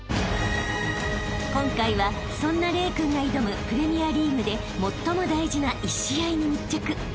［今回はそんな玲君が挑むプレミアリーグで最も大事な１試合に密着］